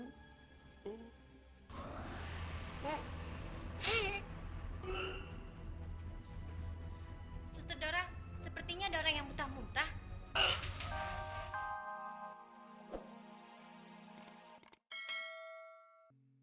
sutradara sepertinya ada orang yang muntah muntah